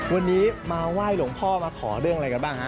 วันนี้มาไหว้หลวงพ่อมาขอเรื่องอะไรกันบ้างฮะ